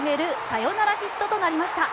サヨナラヒットとなりました。